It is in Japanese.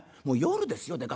もう夜ですよ